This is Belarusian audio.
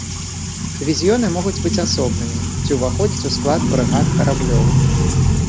Дывізіёны могуць быць асобнымі ці ўваходзіць у склад брыгад караблёў.